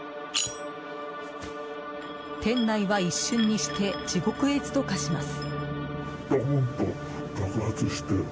店内は一瞬にして地獄絵図と化します。